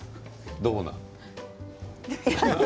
どうなの？